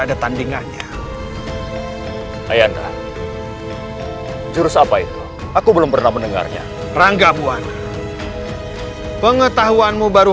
ada tandingannya ayahnya jurus apa itu aku belum pernah mendengarnya ranggabuan pengetahuanmu baru